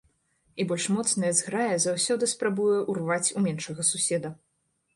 І больш моцная зграя заўсёды спрабуе ўрваць у меншага суседа.